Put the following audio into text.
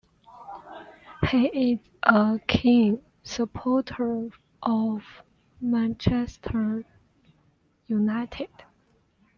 He is a keen supporter of Manchester United.